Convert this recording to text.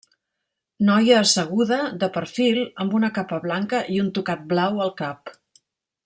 Noia asseguda, de perfil, amb una capa blanca i un tocat blau al cap.